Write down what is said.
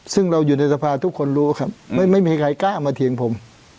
ซึ่งเราอยู่ในสภาทุกคนรู้ครับไม่มีใครกล้ามาเถียงผม